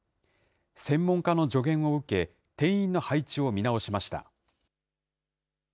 専門家の助言を受け、店員の配置を見直しました。